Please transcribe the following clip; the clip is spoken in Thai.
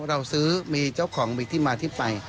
เราซื้อมีเจ้าของมีที่มาที่ไป